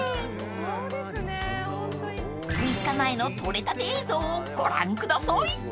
［３日前の撮れたて映像をご覧ください！］